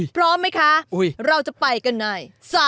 พร้อมไหมคะเราจะไปกันใน